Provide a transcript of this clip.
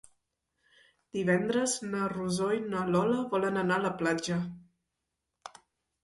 Divendres na Rosó i na Lola volen anar a la platja.